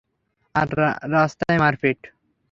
আর রাস্তায় মারপিট।